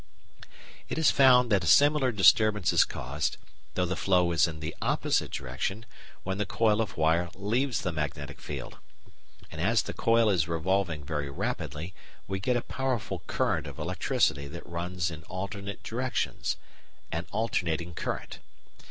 It is found that a similar disturbance is caused, though the flow is in the opposite direction, when the coil of wire leaves the magnetic field. And as the coil is revolving very rapidly we get a powerful current of electricity that runs in alternate directions an "alternating" current.